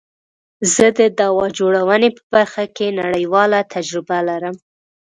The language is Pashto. زه د دوا جوړونی په برخه کی نړیواله تجربه لرم.